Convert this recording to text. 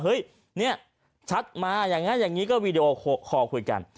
เฮ้ยเนี่ยชัดมาอย่างนี้อย่างนี้ก็วีดีโอคอลคุยกัน